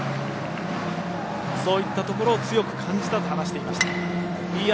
そういったところを強く感じたと話していました。